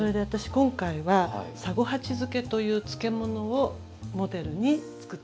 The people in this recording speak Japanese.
今回は「三五八漬け」という漬物をモデルに作ってみたんです。